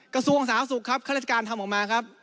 กระทรวงสาธารณสุขครับข้าราชการทำออกมาครับ